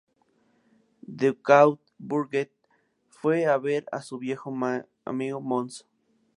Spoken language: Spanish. Ducaud-Bourget fue a ver a su viejo amigo Mons.